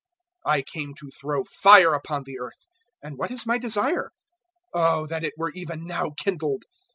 012:049 "I came to throw fire upon the earth, and what is my desire? Oh that it were even now kindled!